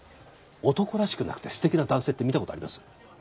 男らしくなくてすてきな男性って見たことあります？